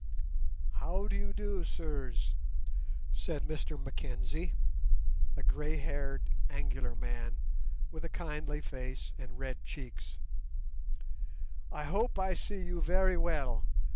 "How do you do, sirs," said Mr Mackenzie, a grey haired, angular man, with a kindly face and red cheeks; "I hope I see you very well.